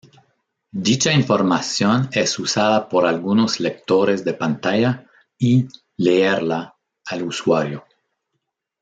Dicha información es usada por algunos lectores de pantalla y "leerla" al usuario.